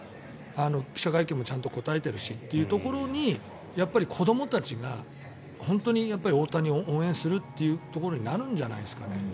記者会見もちゃんと応えているしというところにやっぱり子どもたちが本当に大谷を応援するっていうところになるんじゃないですかね。